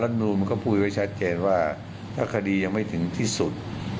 นูลมันก็พูดไว้ชัดเจนว่าถ้าคดียังไม่ถึงที่สุด